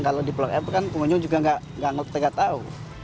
kalau di blok f kan pengunjung juga nggak ngelupin nggak tahu